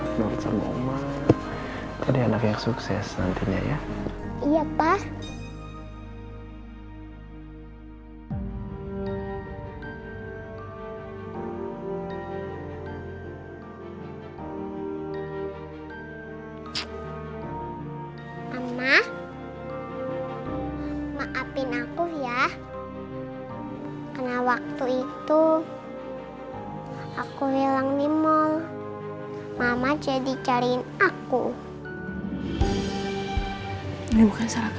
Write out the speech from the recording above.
karena mama tidak bisa menjaga kamu dengan baik